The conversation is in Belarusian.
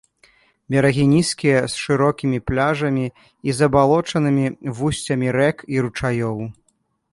Берагі нізкія з шырокімі пляжамі і забалочанымі вусцямі рэк і ручаёў.